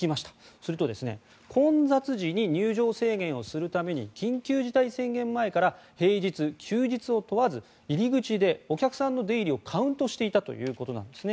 すると、混雑時に入場制限をするために緊急事態宣言前から平日休日を問わず入り口でお客さんの出入りをカウントしていたということなんですね。